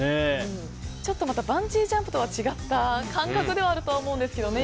ちょっとバンジージャンプとは違った感覚だと思いますけどね。